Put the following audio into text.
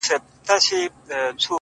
درد يې پاتېږي او له زړه نه يې درمان وځي”